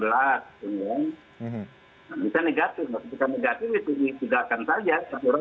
bisa negatif jika negatif dipencegahkan saja